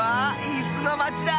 いすのまちだ！